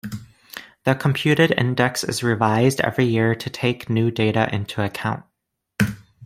The computed index is revised every year to take new data into account.